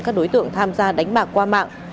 các đối tượng tham gia đánh bạc qua mạng